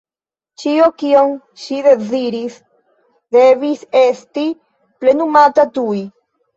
Ĉio, kion ŝi deziris, devis esti plenumata tuj.